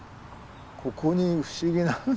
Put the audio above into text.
ここに不思議なね